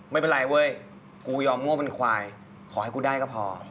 ไม่เป็นไรเว้ยกูยอมโง่เป็นควายขอให้กูได้ก็พอ